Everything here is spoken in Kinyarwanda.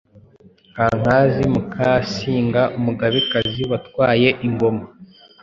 Kankazi Mukamusinga umugabekazi watwaye ingoma